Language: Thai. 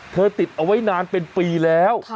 ติดเอาไว้นานเป็นปีแล้ว